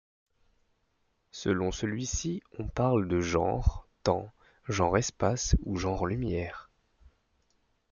Selon celui-ci, on parle de genre temps, genre espace, ou genre lumière.